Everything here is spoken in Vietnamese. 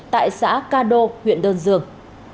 tại xã ca đô huyện đơn dương